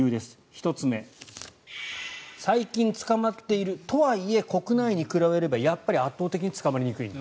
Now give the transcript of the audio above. １つ目最近、捕まっているとはいえ国内に比べればやっぱり圧倒的に捕まりにくい。